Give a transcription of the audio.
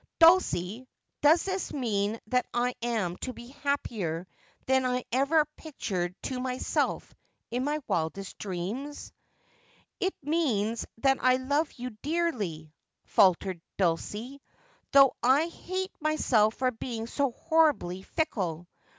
' Dulcie, does this mean that I am to be happier than I ever pictured to myself in my wildest dreams 1 '' It means that I love you dearly,' faltered Dulcie, ' though I hate myself for being so horribly fickle.